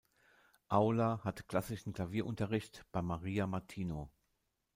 Aula hatte klassischen Klavierunterricht bei Maria Martino.